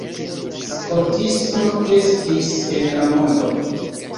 Skoltismo kreskis en la mondo.